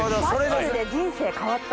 バジルで人生変わった？